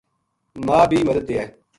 ما بے مدد دیئے